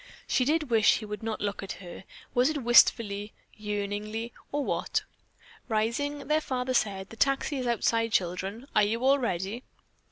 She did wish he would not look at her was it wistfully, yearningly or what? Rising, their father said, "The taxi is outside, children. Are you all ready?"